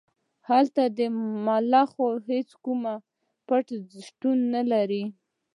هلته د ملخانو هیڅ کوم پټی شتون نلري